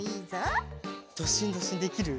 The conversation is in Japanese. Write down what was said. ドシンドシンできる？